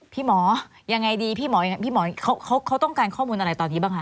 พี่หมอยังไงดีเขาต้องการข้อมูลอะไรตอนนี้บ้างครับ